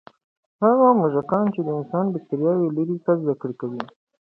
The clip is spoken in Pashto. هغه موږکان چې د انسان بکتریاوې لري، ښه زده کړه کوي.